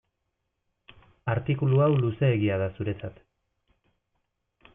Artikulu hau luzeegia da zuretzat.